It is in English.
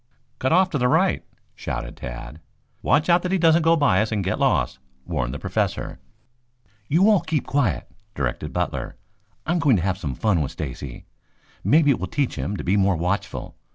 "Cut off to the right," shouted Tad. "Watch out that he doesn't go by us and get lost," warned the Professor. "You all keep quiet," directed Butler. "I'm going to have some fun with Stacy. Maybe it will teach him to be more watchful.